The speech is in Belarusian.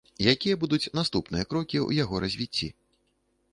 Якія будуць наступныя крокі ў яго развіцці?